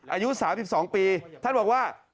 อายุ๓๒ปีท่านบอกว่า